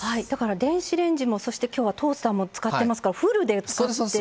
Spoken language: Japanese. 電子レンジもそして、きょうはトースターも使ってますからフルで使って。